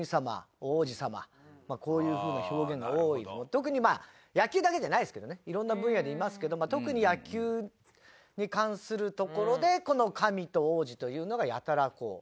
特に野球だけじゃないですけどね色んな分野にいますけど特に野球に関するところでこの神と王子というのがやたら。